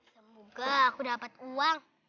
semoga aku dapat uang